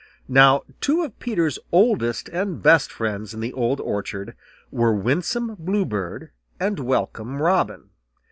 Now two of Peter's oldest and best friends in the Old Orchard were Winsome Bluebird and Welcome Robin.